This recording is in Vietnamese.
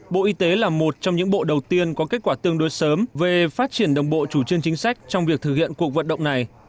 bộ y tế là một trong những bộ đầu tiên có kết quả tương đối sớm về phát triển đồng bộ chủ trương chính sách trong việc thực hiện cuộc vận động này